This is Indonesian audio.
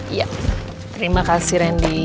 iya terima kasih randy